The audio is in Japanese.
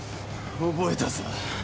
覚えたぞ。